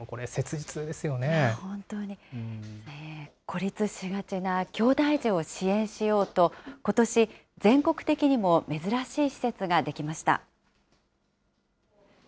孤立しがちなきょうだい児を支援しようと、ことし、全国的にも珍しい施設が出来ました。